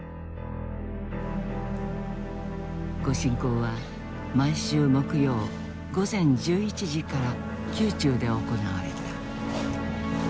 御進講は毎週木曜午前１１時から宮中で行われた。